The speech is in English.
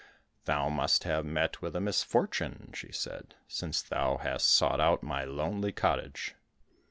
"Thou must have met with a misfortune," she said, "since thou hast sought out my lonely cottage."